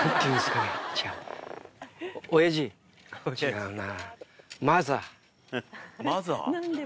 違うな。